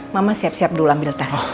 mama siap siap dulu ambil teh